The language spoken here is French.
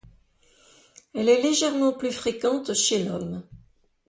Elle est légèrement plus fréquente chez l’homme.